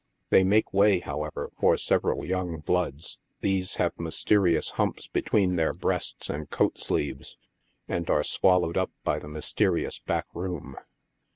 They make way, however, for several young bloods ; these have mysterious humps between their breasts and coat sleeves, and are swallowed up by the myste ' 1 reus back room.